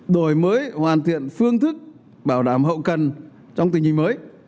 đổi mới hoàn thiện phương thức bảo đảm hậu cần trong tình hình mới